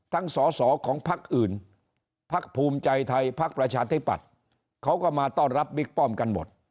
ทั้งสอสอของภักดิ์อื่นภักดิ์ภูมิใจไทยภักดิ์ประชาธิบัตรเขาก็มาต้อนรับบิกป้องกันหมด